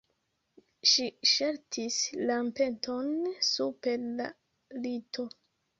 Ŝi ŝaltis lampeton super la lito.